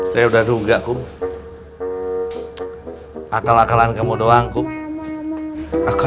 saya masukkan ke dalam kulkas